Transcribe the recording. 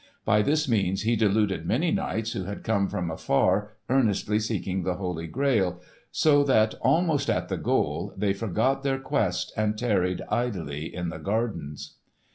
By this means he deluded many knights who had come from afar earnestly seeking the Holy Grail, so that, almost at the goal, they forgot their quest and tarried idly in the gardens.